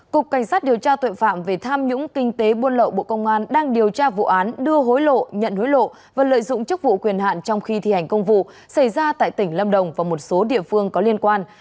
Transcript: cục cảnh sát điều tra tội phạm về tham nhũng kinh tế buôn lậu bộ công an đang điều tra vụ án đưa hối lộ nhận hối lộ và lợi dụng chức vụ quyền hạn trong khi thi hành công vụ xảy ra tại tỉnh lâm đồng và một số địa phương có liên quan